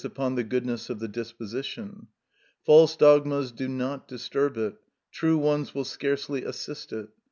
_, upon the goodness of the disposition. False dogmas do not disturb it; true ones will scarcely assist it.